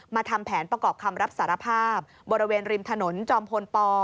ทำแผนประกอบคำรับสารภาพบริเวณริมถนนจอมพลป